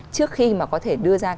trước khi mà có thể đưa ra